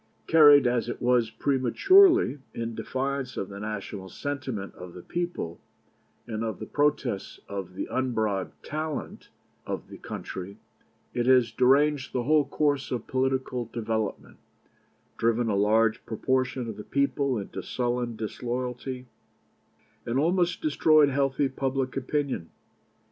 Carried as it was prematurely, in defiance of the national sentiment of the people and of the protests of the unbribed talent of the country, it has deranged the whole course of political development, driven a large proportion of the people into sullen disloyalty, and almost destroyed healthy public opinion.